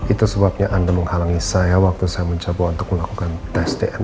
itu sebabnya anda menghalangi saya waktu saya mencoba untuk melakukan tes dna